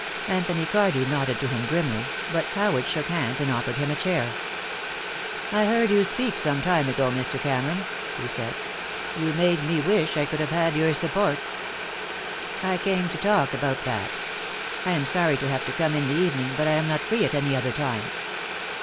Anthony Cardew nodded to him grimly, but Howard shook hands and offered him a chair. "I heard you speak some time ago, Mr. Cameron," he said. "You made me wish I could have had your support." "I came to talk about that. I am sorry to have to come in the evening, but I am not free at any other time."